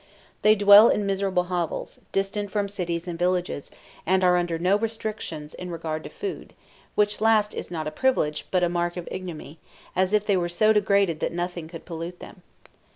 They dwell in miserable hovels, distant from cities and villages, and are under no restrictions in regard to food, which last is not a privilege, but a mark of ignominy, as if they were so degraded that nothing could pollute them.